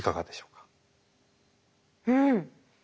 うん。